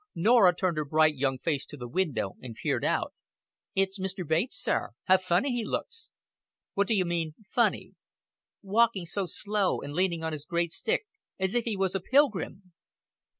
Norah turned her bright young face to the window and peered out. "It's Mr. Bates, sir. How funny he looks!" "What d'you mean funny?" "Walking so slow, and leaning on his great stick as if he was a pilgrim."